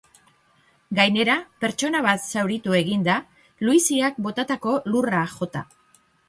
Gainera, pertsona bat zauritu egin da luiziak botatako lurra jota.